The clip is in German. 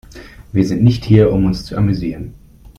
Wir sind nicht hier, um uns zu amüsieren.